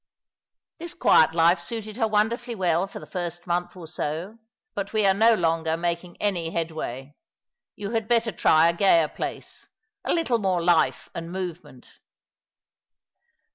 " This quiet life suited her wonderfully well for the first month or so, but we are no longer making any headway. You had better try a gayer place — a little more life and moYement."